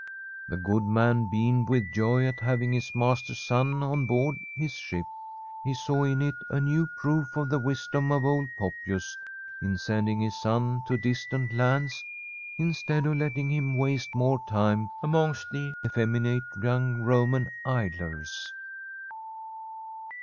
The good man beamed with joy at having his master's son on board his ship. He saw in it a new proof of the wisdom of old Poppius, in send ing his son to distant lands, instead of letting him waste more time amongst the effeminate young Roman idlers.